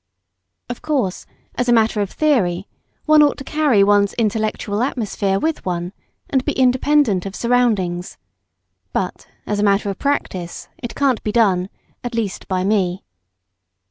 Of course, as a matter of theory, one ought to carry one's intellectual atmosphere with one and be independent of surroundings; but, as a matter of practice, it can't be done, at least, by me.